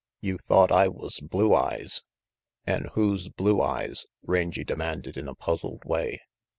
You thought I was Blue Eyes " "An' who's Blue Eyes?" Rangy demanded in a puzzled way.